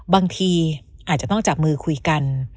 บางทีอาจจะต้องจับมือคุยกัน